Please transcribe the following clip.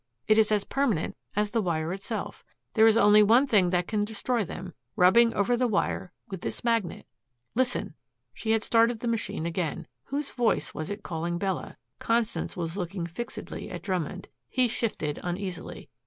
It is as permanent as the wire itself. There is only one thing that can destroy them rubbing over the wire with this magnet. Listen." She had started the machine again. Whose voice was it calling Bella? Constance was looking fixedly at Drummond. He shifted uneasily.